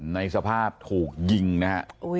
ในสภาพถูกยิงนะครับ